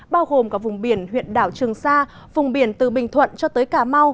bao gồm cả vùng biển huyện đảo trường sa vùng biển từ bình thuận cho tới cà mau